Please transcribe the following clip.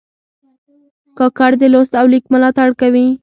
کاکړ د لوست او لیک ملاتړ کوي.